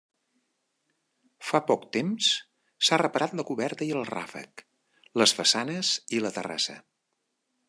Fa poc temps s'ha reparat la coberta i el ràfec, les façanes i la terrassa.